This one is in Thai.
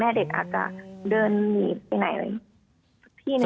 แม่เด็กอาจจะเดินหนีไปไหนไป